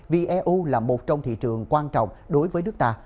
vì eu là một trong thị trường quan trọng đối với nước ta